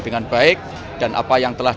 dengan baik dan apa yang telah